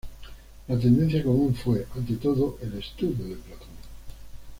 La tendencia común fue, ante todo, el estudio de Platón.